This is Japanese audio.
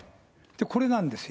これなんですよ。